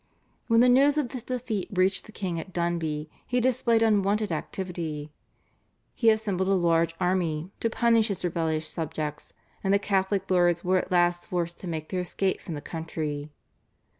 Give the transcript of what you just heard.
When the news of this defeat reached the king at Dundee he displayed unwonted activity. He assembled a large army to punish his rebellious subjects, and the Catholic lords were at last forced to make their escape from the country.